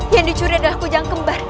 yang dicuri adalah kujang kembar